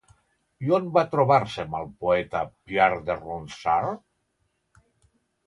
I on va trobar-se amb el poeta Pierre de Ronsard?